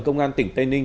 công an tỉnh tây ninh